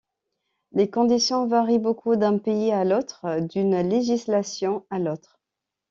Les conditions varient beaucoup d'un pays à l'autre, d'une législation à l'autre.